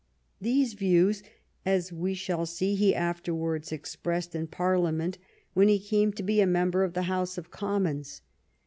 These views, as we shall see, he afterwards expressed in Parliament when he came to be a member of the House of Commons.